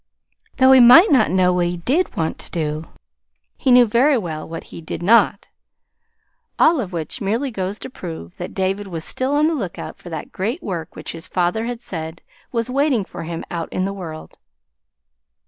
Though he might not know what he did want to do, he knew very well what he did not. All of which merely goes to prove that David was still on the lookout for that great work which his father had said was waiting for him out in the world.